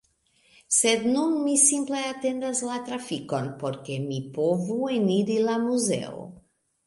Sed nun mi simple atendas la trafikon por ke mi povu eniri la muzeo